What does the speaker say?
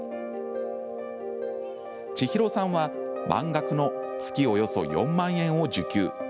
ちひろさんは、満額の月およそ４万円を受給。